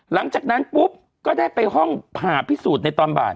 หลังจากนั้นปุ๊บก็ได้ไปห้องผ่าพิสูจน์ในตอนบ่าย